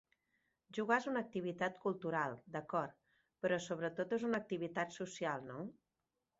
Jugar és una activitat cultural, d'acord, però sobretot és una activitat social, no?